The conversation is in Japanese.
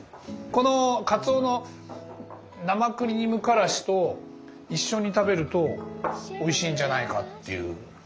このかつおの生クリームからしと一緒に食べるとおいしいんじゃないかっていう。